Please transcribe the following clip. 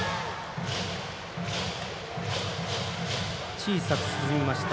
小さく進みました。